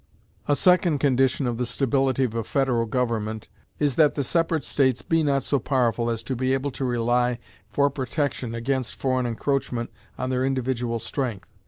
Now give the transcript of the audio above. A second condition of the stability of a federal government is that the separate states be not so powerful as to be able to rely for protection against foreign encroachment on their individual strength.